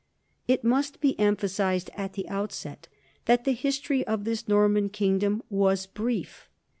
It must be emphasized at the outset that the history of this Norman kingdom was brief.